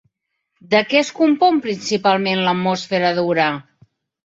De què es compon principalment l'atmosfera d'Urà?